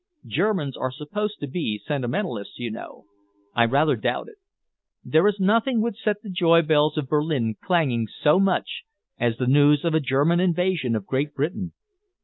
Germans are supposed to be sentimentalists, you know. I rather doubt it. There is nothing would set the joybells of Berlin clanging so much as the news of a German invasion of Great Britain.